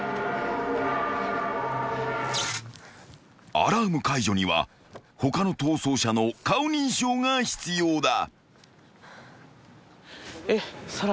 ［アラーム解除には他の逃走者の顔認証が必要だ］紗来。